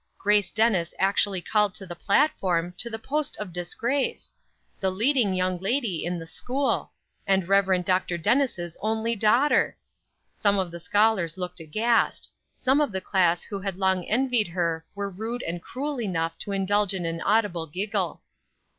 Grace Dennis actually called to the platform, to the post of disgrace! The leading young lady in the school! and Rev. Dr. Dennis' only daughter! Some of the scholars looked aghast; some of the class who had long envied her were rude and cruel enough to indulge in an audible giggle.